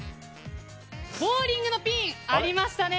ボウリングのピン、ありました。